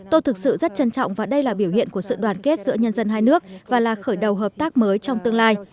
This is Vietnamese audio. tôi thực sự rất trân trọng và đây là biểu hiện của sự đoàn kết giữa nhân dân hai nước và là khởi đầu hợp tác mới trong tương lai